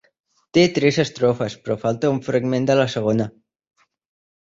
Té tres estrofes però falta un fragment de la segona.